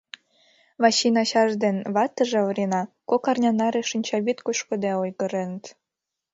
Вачин ачаж ден ватыже Орина кок арня наре шинчавӱд кошкыде ойгыреныт.